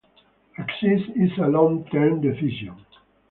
Exit is a long-term decision.